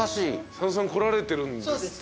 佐野さん来られてるんですって。